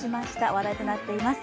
話題となっています。